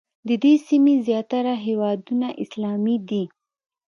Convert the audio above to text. د دې سیمې زیاتره هېوادونه اسلامي دي.